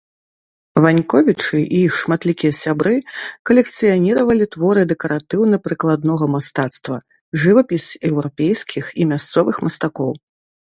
Ваньковічы і іх шматлікія сябры калекцыяніравалі творы дэкаратыўна-прыкладнога мастацтва, жывапіс еўрапейскіх і мясцовых мастакоў.